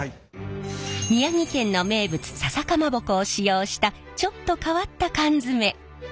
宮城県の名物ささかまぼこを使用したちょっと変わった缶詰。